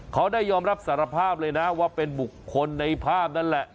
เขาได้ยอมรับสารภาพเลยนะว่าเป็นบุคคลในภาพนั่นแหละ